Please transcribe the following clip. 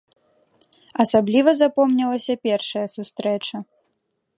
Асабліва запомнілася першая сустрэча.